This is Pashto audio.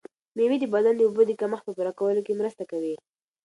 مېوې د بدن د اوبو د کمښت په پوره کولو کې مرسته کوي.